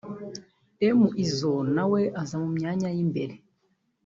M-Izzo na we aza mu myanya y’imbere